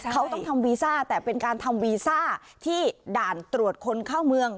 เขาต้องทำวีซ่าแต่เป็นการทำวีซ่าที่ด่านตรวจคนเข้าเมือง